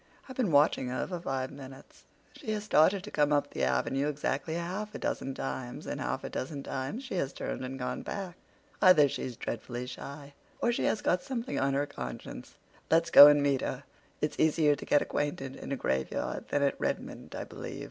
I've been watching her for five minutes. She has started to come up the avenue exactly half a dozen times, and half a dozen times has she turned and gone back. Either she's dreadfully shy or she has got something on her conscience. Let's go and meet her. It's easier to get acquainted in a graveyard than at Redmond, I believe."